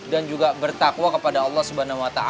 dan juga bertakwa kepada allah swt